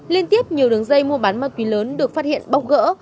liên tiếp nhiều đường dây mua bán ma túy lớn được phát hiện bóc gỡ